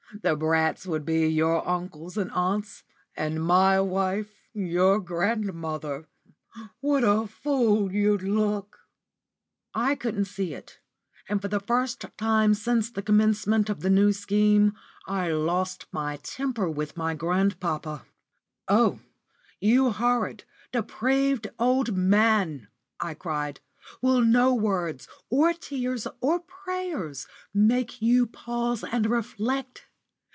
The brats would be your uncles and aunts, and my wife your grandmother! What a fool you'd look!" I couldn't see it, and for the first time since the commencement of the New Scheme, I lost my temper with grandpapa. "Oh, you horrid, depraved old man!" I cried, "will no words, or tears, or prayers, make you pause and reflect?